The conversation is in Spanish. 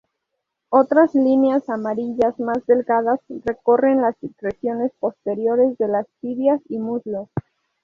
Otras líneas amarillas más delgadas recorren las regiones posteriores de las tibias y muslos.